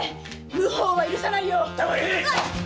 無法は許さないよ！